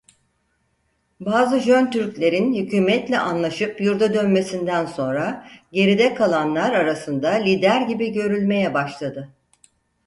Bazı Jön Türkler'in hükûmetle anlaşıp yurda dönmesinden sonra geride kalanlar arasında lider gibi görülmeye başladı.